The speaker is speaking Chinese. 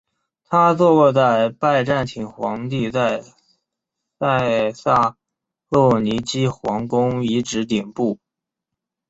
它坐落在拜占庭皇帝在塞萨洛尼基皇宫遗址顶部。